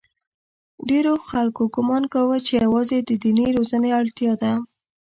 ډېرو خلکو ګومان کاوه چې یوازې د دیني روزنې اړتیا ده.